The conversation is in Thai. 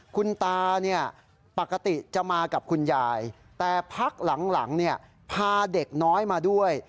คุณตาปกติจะมากับคุณยายแต่พักหลังพาเด็กน้อยมาด้วย